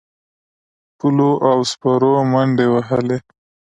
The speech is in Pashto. پلو او سپرو منډې وهلې.